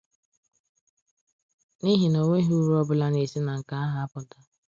n'ihi na o nweghị uru ọbụla na-esi na nke ahụ apụta